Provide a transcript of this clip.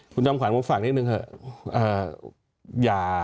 คุณจอมขวัญผมฝากนิดนึงเถอะ